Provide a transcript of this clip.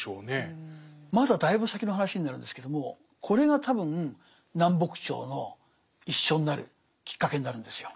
まだだいぶ先の話になるんですけどもこれが多分南北朝の一緒になるきっかけになるんですよ。